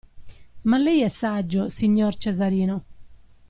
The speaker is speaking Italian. Ma lei è saggio, signor Cesarino!